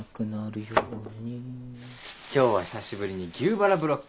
今日は久しぶりに牛バラブロック！